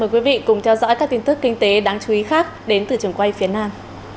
quý vị cùng theo dõi các tin tức kinh tế đáng chú ý khác đến từ trường quay phía nam